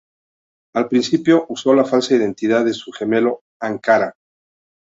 Al principio, usó la falsa identidad de su gemelo "Ankara".